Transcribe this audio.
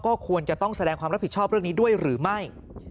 ก็ควรจะต้องแสดงความรับผิดชอบเรื่องนี้ด้วยหรือไม่